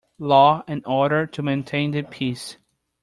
Law and order to maintain the peace.